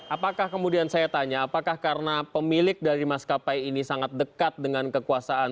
apakah kemudian saya tanya apakah karena pemilik dari maskapai ini sangat dekat dengan kekuasaan